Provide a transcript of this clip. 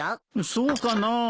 そうかなぁ。